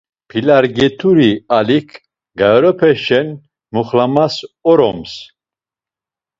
Pilargeturi Alik gyarepeşen muxlamas oroms.